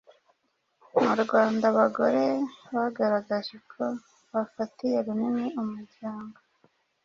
Mu Rwanda abagore bagaragaje ko bafatiye runini umuryango